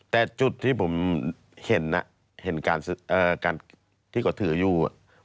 แต่จุดที่ผมเห็นการที่เขาถืออยู่